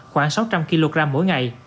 khoảng sáu trăm linh kg mỗi ngày